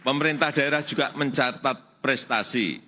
pemerintah daerah juga mencatat prestasi